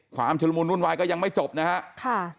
ความชุดมูลรุ่นวายก็ยังไม่จบนะครับ